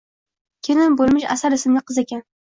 Kelin bo`lmish Asal ismli qiz ekan